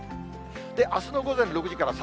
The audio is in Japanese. あすの午前６時から先。